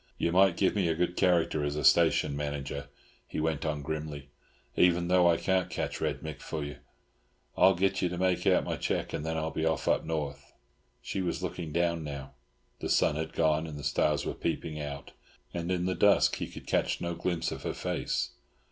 You might give me a good character as a station manager," he went on grimly, "even though I can't catch Red Mick for you. I'll get you to make out my cheque, and then I'll be off up North." She was looking down now. The sun had gone, and the stars were peeping out, and in the dusk he could catch no glimpse of her face.